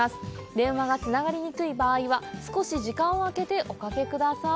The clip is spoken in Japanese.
電話がつながりにくい場合は少し時間を空けておかけください。